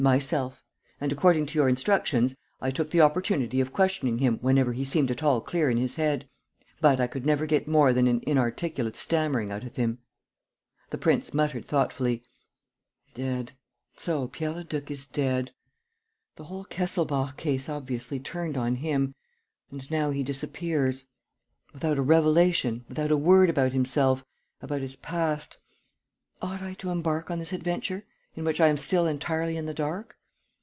"Myself. And, according to your instructions, I took the opportunity of questioning him whenever he seemed at all clear in his head. But I could never get more than an inarticulate stammering out of him." The prince muttered thoughtfully: "Dead! ... So Pierre Leduc is dead? ... The whole Kesselbach case obviously turned on him, and now he disappears ... without a revelation, without a word about himself, about his past. ... Ought I to embark on this adventure, in which I am still entirely in the dark?